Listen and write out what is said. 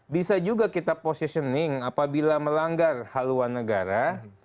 bisa juga kita positioning apabila melanggar haluan negara